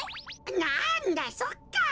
なんだそっか。